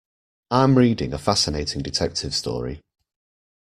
I'm reading a fascinating detective story.